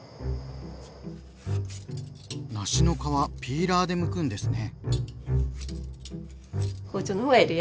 梨の皮ピーラーでむくんですね。